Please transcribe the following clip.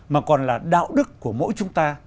mà còn là đạo đức của mỗi chúng ta